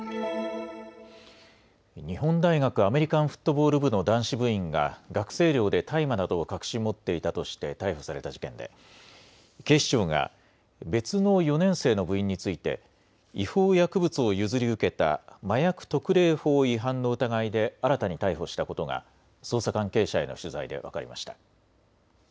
日本大学アメリカンフットボール部の男子部員が学生寮で大麻などを隠し持っていたとして逮捕された事件で警視庁が別の４年生の部員について違法薬物を譲り受けた麻薬特例法違反の疑いで新たに逮捕したことが捜査関係者への取材で分かりました。